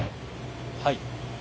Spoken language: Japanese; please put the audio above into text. はい。